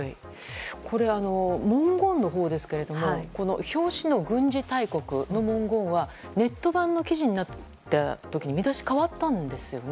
これ、文言のほうですけど表紙の軍事大国の文言はネット版の記事になった時に見出し変わったんですよね？